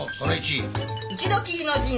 一度きりの人生。